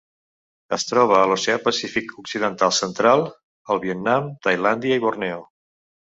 Es troba a l'Oceà Pacífic occidental central: el Vietnam, Tailàndia i Borneo.